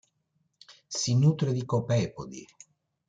Si nutre di copepodi.